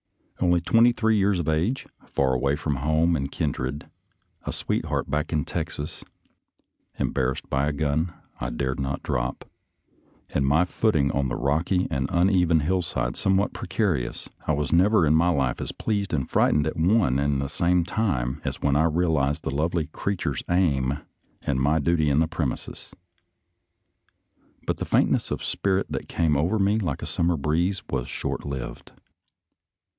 Only twenty three years of age, far away from home and kin dred, a sweetheart back in Texas, embarrassed by a gun I dared not drop, and my footing on the rocky and uneven hillside somewhat precarious, I was never in my life as pleased and frightened at one and the same time as when I realized the lovely creature's aim and my duty in the prem ises. But the faintness of spirit that came over me like a summer breeze, was as short lived.